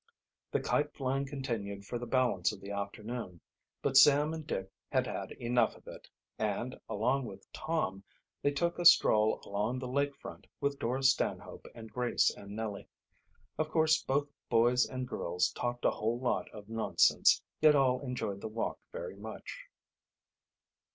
The kite flying continued for the balance of the afternoon. But Sam and Dick had had enough of it, and, along with Tom, they took a stroll along the lake front with Dora Stanhope and Grace and Nellie. Of course both boys and girls talked a whole lot of nonsense, yet all enjoyed the walk very much.